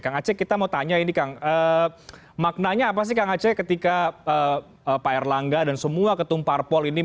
kang aceh kita mau tanya ini kang maknanya apa sih kang aceh ketika pak erlangga dan semua ketumparpol ini